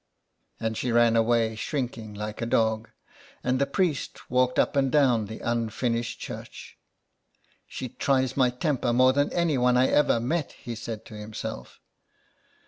And she ran away shrinking like a dog, and the priest walked up and down the unfinished church. '^ She tries my temper more than anyone I ever met," he said to himself.